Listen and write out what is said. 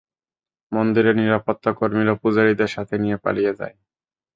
মন্দিরের নিরাপত্তাকর্মীরা পূজারীদের সাথে নিয়ে পালিয়ে যায়।